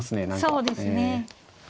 そうですね。